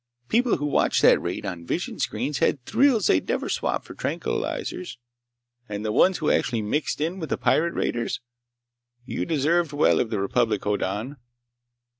People who watched that raid on visionscreens had thrills they'd never swap for tranquilizers! And the ones who actually mixed in with the pirate raiders— You deserve well of the republic, Hoddan!"